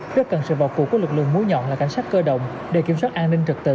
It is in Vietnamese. rất cần sự vào cuộc của lực lượng mối nhọn là cảnh sát cơ động để kiểm soát an ninh trật tự